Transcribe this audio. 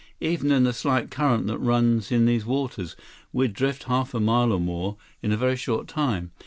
Even in the slight current that runs in these waters, we'd drift half a mile or more in a very short time.